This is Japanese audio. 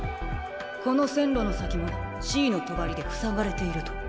この線路の先もＣの帳で塞がれていると。